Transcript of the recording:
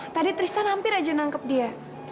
tadi tristan hampir aja nangkep dia